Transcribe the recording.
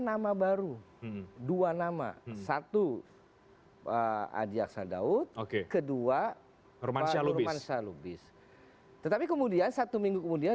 nama baru dua nama satu adi aksadawut oke kedua romansya lubis tetapi kemudian satu minggu kemudian